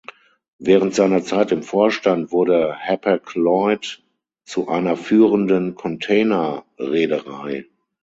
Während seiner Zeit im Vorstand wurde Hapag Lloyd zu einer führenden Container-Reederei.